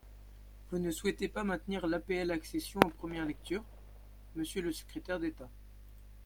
Vous ne souhaitez pas maintenir l’APL accession en première lecture, monsieur le secrétaire d’État.